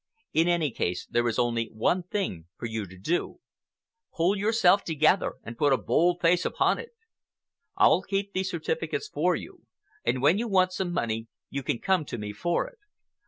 In any case, there is only one thing for you to do. Pull yourself together and put a bold face upon it. I'll keep these certificates for you, and when you want some money you can come to me for it.